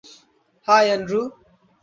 High, Andrew.